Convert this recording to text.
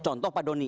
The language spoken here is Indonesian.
contoh pak doni